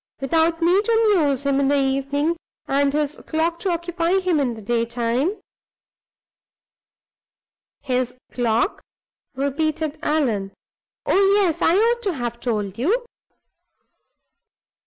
Without me to amuse him in the evening, and his clock to occupy him in the daytime " "His clock?" repeated Allan. "Oh, yes! I ought to have told you.